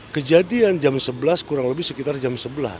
kejadian jam sebelas kurang lebih sekitar jam sebelas